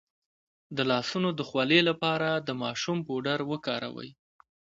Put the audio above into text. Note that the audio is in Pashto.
د لاسونو د خولې لپاره د ماشوم پوډر وکاروئ